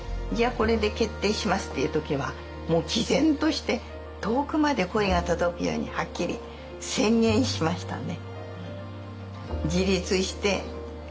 これで決定しますっていう時はもうきぜんとして遠くまで声が届くようにはっきり宣言しましたね。